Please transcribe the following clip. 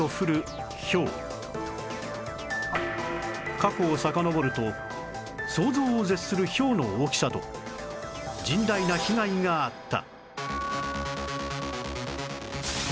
過去をさかのぼると想像を絶するひょうの大きさと甚大な被害があった